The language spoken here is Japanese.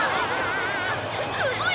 すごい！